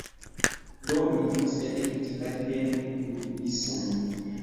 Do, mi devas elekti alian jutubiston